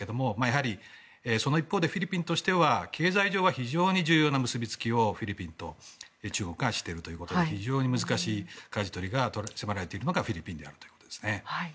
その一方で、フィリピンとしては経済上は非常に重要な結びつきを中国とフィリピンはしているということで非常に難しいかじ取りが迫られているのがフィリピンであるということですね。